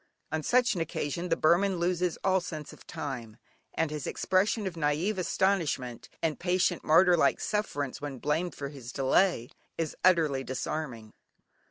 On such an occasion the Burman loses all sense of time, and his expression of naive astonishment, and patient martyr like sufferance, when blamed for his delay, is utterly disarming.